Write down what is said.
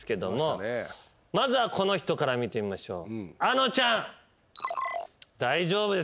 まずはこの人から見てみましょうあのちゃん。